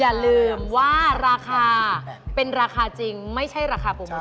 อย่าลืมว่าราคาเป็นราคาจริงไม่ใช่ราคาโปรโมท